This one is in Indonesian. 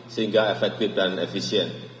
sehingga efektif dan efisien